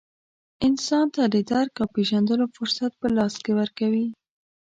انسان ته د درک او پېژندلو فرصت په لاس ورکوي.